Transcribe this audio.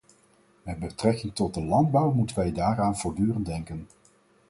Met betrekking tot de landbouw moeten wij daaraan voortdurend denken.